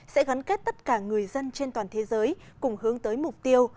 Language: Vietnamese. sẽ gắn kết tất cả người dân trên toàn thế giới cùng hướng tới mục tiêu